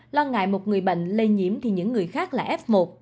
lo ngại một người bệnh lây nhiễm thì những người khác là f một